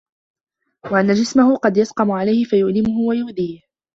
وَأَنَّ جِسْمَهُ قَدْ يَسْقَمُ عَلَيْهِ فَيُؤْلِمُهُ وَيُؤْذِيهِ